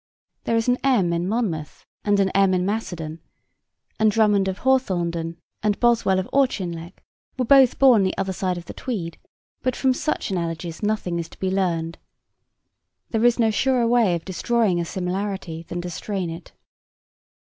There is an M in Monmouth and an M in Macedon, and Drummond of Hawthornden and Boswell of Auchinleck were both born the other side of the Tweed; but from such analogies nothing is to be learned. There is no surer way of destroying a similarity than to strain it.